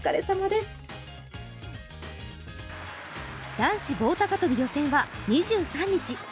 男子棒高跳び予選は２３日。